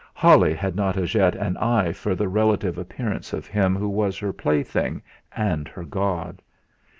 Holly had not as yet an eye for the relative appearance of him who was her plaything and her god.